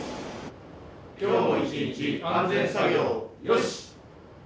今日も一日安全作業よし！